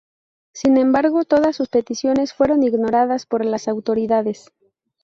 Sin embargo, todas sus peticiones fueron ignoradas por las autoridades.